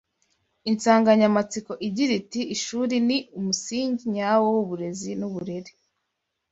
i nsanganyamatsiko igira iti ‘Ishuri ni umusingi nyawo w’uburezi n’uburere’